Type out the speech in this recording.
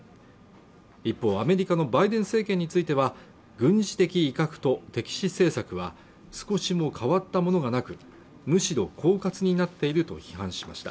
一方アメリカのバイデン政権については軍事的威嚇と敵視政策は少しも変わったものがなくむしろ狡猾になっていると批判しました